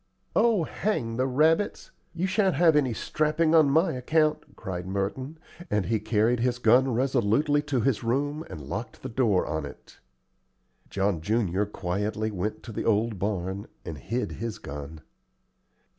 "Oh, hang the rabbits! You shan't have any strapping on my account," cried Merton; and he carried his gun resolutely to his room and locked the door on it. John junior quietly went to the old barn, and hid his gun.